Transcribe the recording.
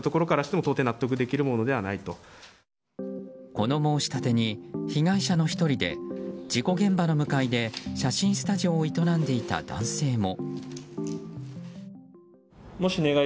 この申し立てに被害者の１人で事故現場の向かいで写真スタジオを営んでいた男性も。